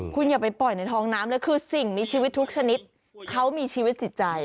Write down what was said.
คุณอย่าไปปล่อยในท้องน้ำเลยคือสิ่งมีชีวิตทุกชนิดเขามีชีวิตจิตใจ